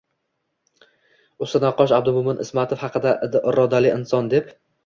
Usta naqqosh Abdumo`min Ismatov haqida Irodali inson deb